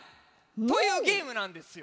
というゲームなんですよ。